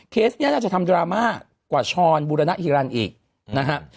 เคสเนี่ยจะทำดราม่ากว่าชรบุรนาฮิรัณอีกนะฮะ